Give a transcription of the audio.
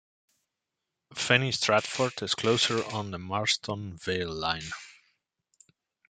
Fenny Stratford is closer, on the Marston Vale Line.